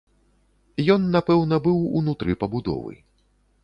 Ён, напэўна, быў унутры пабудовы.